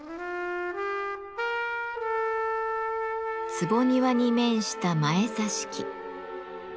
坪庭に面した「前座敷」。